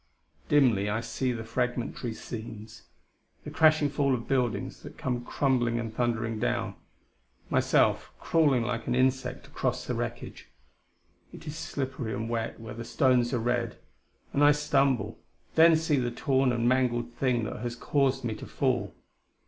Dimly I see the fragmentary scenes: the crashing fall of buildings that come crumbling and thundering down, myself crawling like an insect across the wreckage it is slippery and wet where the stones are red, and I stumble, then see the torn and mangled thing that has caused me to fall....